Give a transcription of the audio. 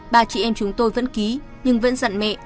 ba chị em chúng tôi vẫn ký nhưng vẫn dặn mẹ